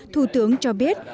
thủ tướng cho biết